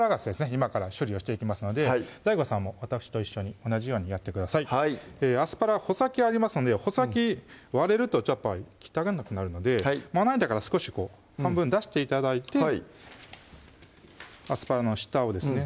今から処理をしていきますのでＤＡＩＧＯさんもわたくしと一緒に同じようにやってくださいアスパラ穂先ありますので穂先割れるとちょっと汚くなるのでまな板から少しこう半分出して頂いてアスパラの下をですね